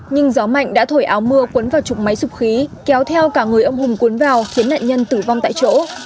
nhưng gió mạnh đã thổi áo mưa cuốn vào chục máy sụp khí kéo theo cả người ông hùng cuốn vào khiến nạn nhân tử vong tại chỗ